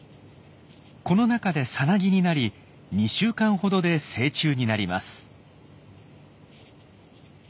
この中でさなぎになり２週間ほどで成虫になります。